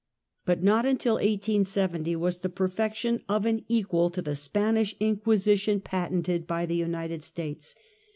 But not until 1870 was the perfec tion of an equal to the Spanish inquisition patented by the United States.